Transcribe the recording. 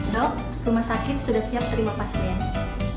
dok rumah sakit sudah siap terima pasien